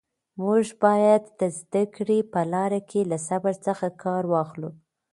موږ باید د زده کړې په لاره کې له صبر څخه کار واخلو.